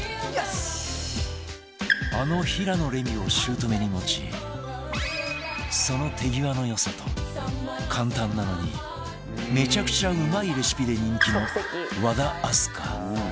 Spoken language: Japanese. あの平野レミを姑に持ちその手際の良さと簡単なのにめちゃくちゃうまいレシピで人気の